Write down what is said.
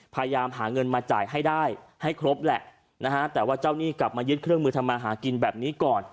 พยายามหาเงินมาจ่ายให้ได้ให้ครบแหละนะฮะแต่ว่าเจ้าหนี้กลับมายึดเครื่องมือทำมาหากินแบบนี้ก่อน